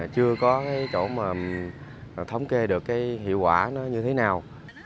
chưa có chỗ mà thống kê được hiệu quả nó như thế nào